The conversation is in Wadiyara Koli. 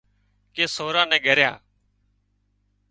ڪي سوران نين ڳران